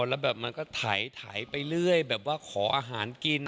แล้วแบบมันก็ไถไปเรื่อยแบบว่าขออาหารกิน